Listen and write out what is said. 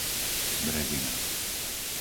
Brezina